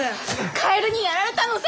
カエルにやられたのさ！